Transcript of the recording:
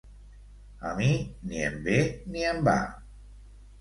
A mi ni em ve ni em va.